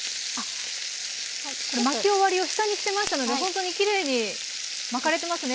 巻き終わりを下にしてましたのでほんとにきれいに巻かれてますね